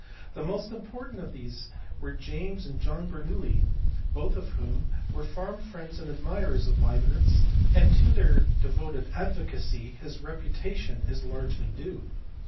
The most important of these were James and John Bernoulli, both of whom were warm friends and admirers of Leibnitz, and to their devoted advocacy his reputation is largely due.